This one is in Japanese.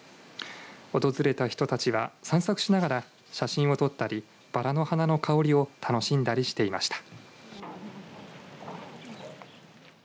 訪れた人たちは、散策しながら写真を撮ったりバラの花の香りを楽しんだりしていました。